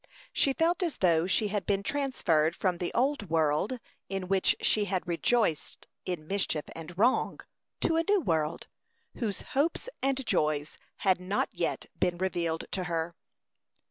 She felt as though she had been transferred from the old world, in which she had rejoiced in mischief and wrong, to a new world, whose hopes and joys had not yet been revealed to her.